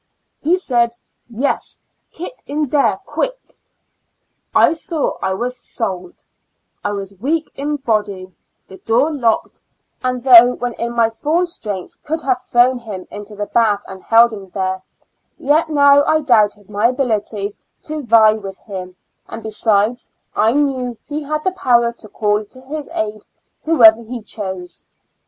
he said, "yes, kit in dare quick." I saw I was sold ; I was weak in body; the door locked, and though when in my full strength could have thrown him into the JiV A L UNA TIC ASYL UM. 5 7 bath and held him there; yet now I doubted my ability to vie with him, and besides, I knew he had the power to call to his aid whoever he chose.